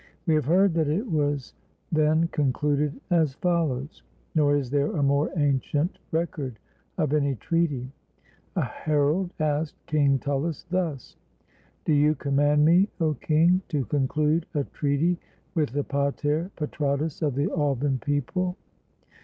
We have heard that it was then concluded as follows, nor is there a more ancient record of any treaty. A herald asked King Tullus thus: "Do you command me, 0 king, to conclude a treaty with the pater patratus of the Alban people